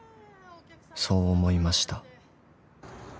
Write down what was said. そう思いました］